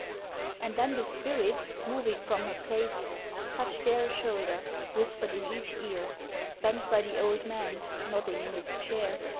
And then the spirit, moving from her place, Touched there a shoulder, whispered in each ear, Bent by the old man, nodding in his chair.